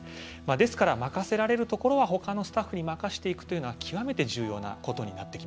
ですから任せられるところはほかのスタッフに任せていくというのは極めて重要なことになってきます。